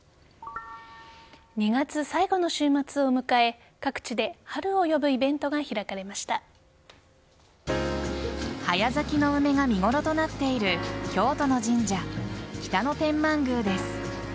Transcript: ２月最後の週末を迎え各地で春を呼ぶイベントが早咲きの梅が見頃となっている京都の神社・北野天満宮です。